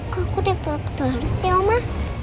kok aku deh pulang ke tuharus ya ma